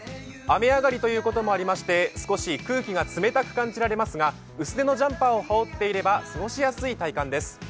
雨上がりということもありまして少し空気が冷たく感じられますが、薄手のジャンパーを羽織っていれば過ごしやすい体感です。